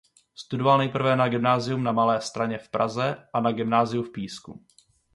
Studoval nejprve na gymnáziu na Malé Straně v Praze a na gymnáziu v Písku.